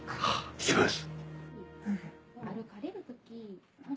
行きます。